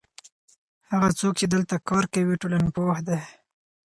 هغه څوک چې دلته کار کوي ټولنپوه دی.